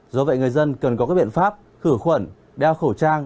do vậy người dân cần có các biện pháp khử khuẩn đeo khẩu trang